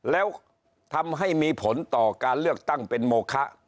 แล้วทำให้มีผลต่อการเลือกตั้งเป็นโมคะ